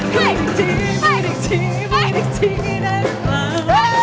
พูดอีกทีพูดอีกทีพูดอีกทีได้หรือเปล่า